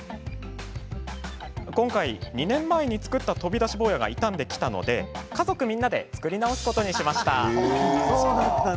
今回、２年前に作った飛び出し坊やが傷んできたので家族みんなで作り直すことにしました。